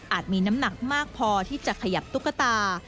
มีน้ำหนักมากพอที่จะขยับตุ๊กตา